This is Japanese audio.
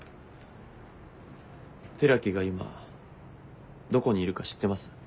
寺木が今どこにいるか知ってます？